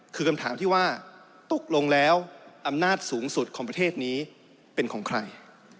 คือคำถามที่ว่าตกลงแล้วอำนาจสูงสุดของประเทศนี้เป็นของใคร